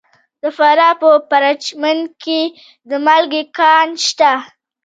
د فراه په پرچمن کې د مالګې کان شته.